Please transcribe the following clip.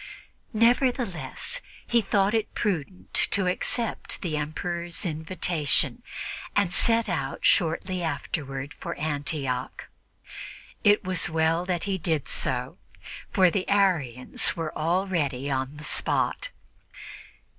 Nevertheless, he thought it prudent to accept the Emperor's invitation and set out shortly afterward for Antioch. It was well that he did so, for the Arians were already on the spot.